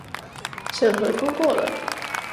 審核通過了